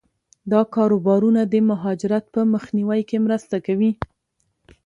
دا کاروبارونه د مهاجرت په مخنیوي کې مرسته کوي.